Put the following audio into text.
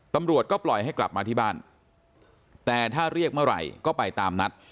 ตำรวจก็ปล่อยให้กลับมาที่บ้านแต่ถ้าเรียกเมื่อไหร่ก็ไปตามนัด